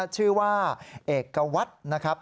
ชื่อว่าเอกวัตรนะครับ